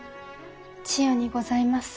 千世にございます。